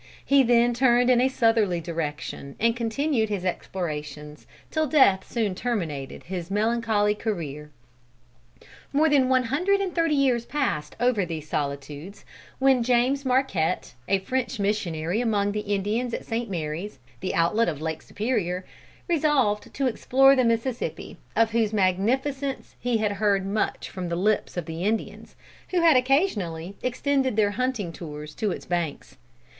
He then turned in a southerly direction, and continued his explorations, till death soon terminated his melancholy career. More than one hundred and thirty years passed over these solitudes, when James Marquette, a French missionary among the Indians at Saint Marys, the outlet of Lake Superior, resolved to explore the Mississippi, of whose magnificence he had heard much from the lips of the Indians, who had occasionally extended their hunting tours to its banks.